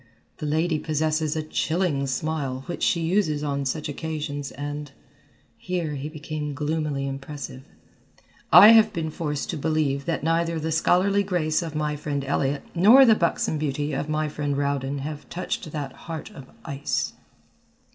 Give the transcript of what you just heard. The lady possesses a chilling smile which she uses on such occasions and," here he became gloomily impressive, "I have been forced to believe that neither the scholarly grace of my friend Elliott nor the buxom beauty of my friend Rowden have touched that heart of ice."